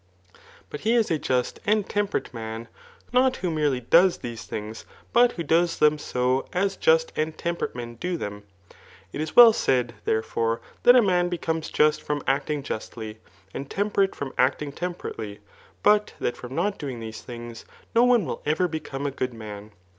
But hei&a. just and tepiperate mad^ hot who [mef ely] dpes these tbiogib but who does them so as just and temperate men 4^ them* It is well ssud, therefoire, that a man becom«6 just from acting justly, and temperate from acting tern peratdy, but that from not doing these things, ncy^sae wUl ever become a good man.